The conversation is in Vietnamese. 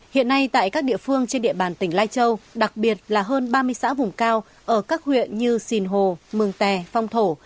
hiện nay tại các địa phương trên địa bàn tỉnh lai châu đặc biệt là hơn ba mươi xã vùng cao ở các huyện như sìn hồ mường tè phong thổ